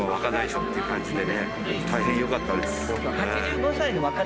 大変良かったです。